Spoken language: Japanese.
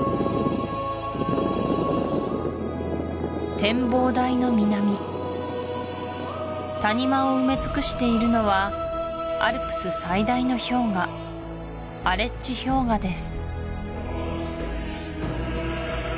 展望台の南谷間を埋め尽くしているのはアルプス最大の氷河アレッチ氷河です